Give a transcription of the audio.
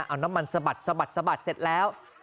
เอาน้ำมันสะบัดสะบัดสะบัดเสร็จแล้ว